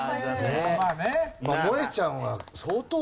もえちゃんは相当。